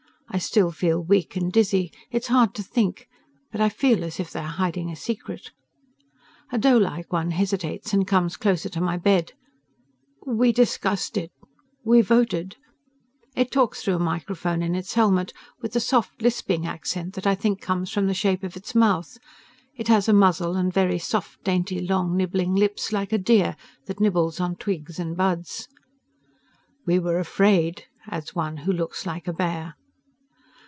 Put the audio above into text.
I still feel weak and dizzy. It is hard to think, but I feel as if they are hiding a secret. A doelike one hesitates and comes closer to my bed. "We discussed it ... we voted...." It talks through a microphone in its helmet with a soft lisping accent that I think comes from the shape of its mouth. It has a muzzle and very soft, dainty, long nibbling lips like a deer that nibbles on twigs and buds. "We were afraid," adds one who looks like a bear.